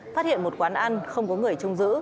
phát hiện một quán ăn không có người trông giữ